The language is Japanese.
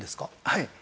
はい。